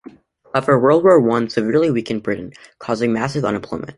However, World War One severely weakened Britain, causing massive unemployment.